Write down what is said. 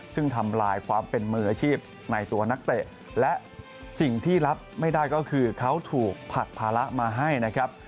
ซึ่งทำลายความเป็นมืออาชีพในตัวนักเตะและสิ่งที่รับไม่ได้ก็คือเขาถูกผลักภาระมาให้นะครับ